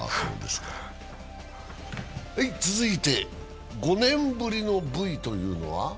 続いて、５年ぶりのＶというのは？